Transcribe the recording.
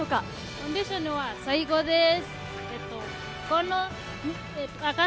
コンディションは最高です。